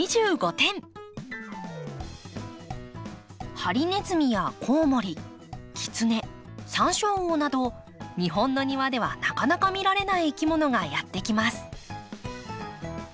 ハリネズミやコウモリキツネサンショウウオなど日本の庭ではなかなか見られないいきものがやって来ます。